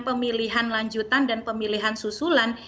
pemilihan lanjutan dan pemilihan susulan